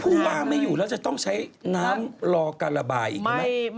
ผู้ว่าไม่อยู่แล้วจะต้องใช้น้ำรอการระบายอีกใช่ไหม